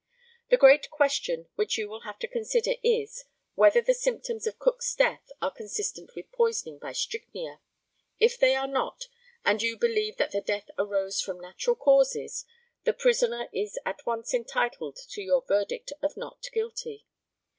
The great question which you will have to consider is, whether the symptoms of Cook's death are consistent with poisoning by strychnia. If they are not, and you believe that the death arose from natural causes, the prisoner is at once entitled to your verdict of Not Guilty.